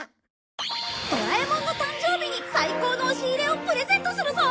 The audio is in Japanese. ドラえもんの誕生日に最高の押し入れをプレゼントするぞ！